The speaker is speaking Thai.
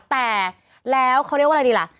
แต่แล้วเขาเรียกว่าอะไรดีล่ะ